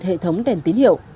hệ thống đèn tín hiệu